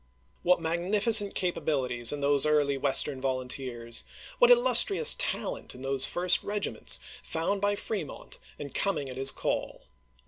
What magnificent capabilities in those early Western volunteers ; what illustrious talent in those fii'st regiments found by Fremont and coming at his call